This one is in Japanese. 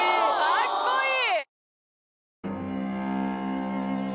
かっこいい！